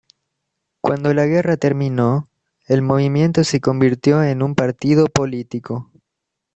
Cuando la guerra terminó, el movimiento se convirtió en un partido político.